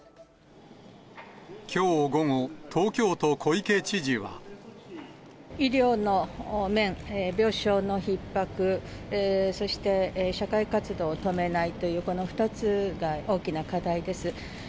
きょう午後、医療の面、病床のひっ迫、そして社会活動を止めないという、この２つが大きな課題です。